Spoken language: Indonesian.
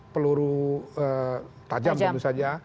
peluru tajam tentu saja